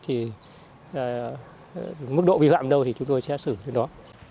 thì mức độ vi phạm đâu thì chúng tôi sẽ xử cái đó